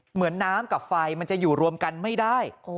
เหมือนน้ำกับไฟมันจะอยู่รวมกันไม่ได้